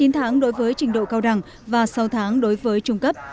chín tháng đối với trình độ cao đẳng và sáu tháng đối với trung cấp